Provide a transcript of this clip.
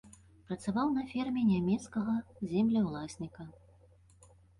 Працаваў на ферме нямецкага землеўласніка.